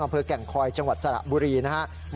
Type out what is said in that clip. แก่งคอยจังหวัดสระบุรีนะครับ